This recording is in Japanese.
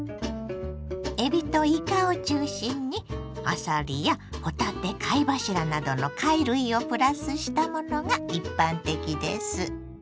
えびといかを中心にあさりやほたて貝柱などの貝類をプラスしたものが一般的です。